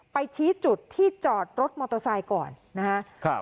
ชี้จุดที่จอดรถมอเตอร์ไซค์ก่อนนะครับ